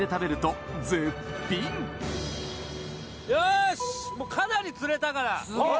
よしもうかなり釣れたから。